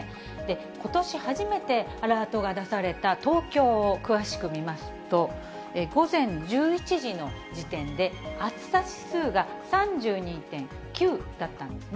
ことし初めてアラートが出された東京を詳しく見ますと、午前１１時の時点で、暑さ指数が３２．９だったんですね。